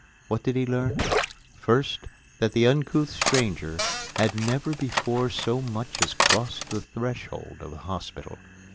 What did he learn? First, that the uncouth stranger had never before so much as crossed the threshold of a hospital.